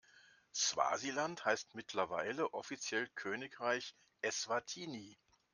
Swasiland heißt mittlerweile offiziell Königreich Eswatini.